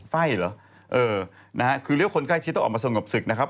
ไฟ่เหรอเออนะฮะคือเรียกว่าคนใกล้ชิดต้องออกมาสงบศึกนะครับ